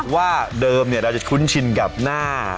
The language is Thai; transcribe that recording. ว่าเดิมเราจะคุ้นชินกับหน้า